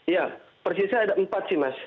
ya persisnya ada empat sih mas